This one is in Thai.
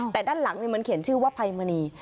แต่ด้านหลังมันเขียนชื่อว่าภัยมณี